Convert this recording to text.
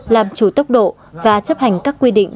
làm chủ tốc độ và chấp hành các quy định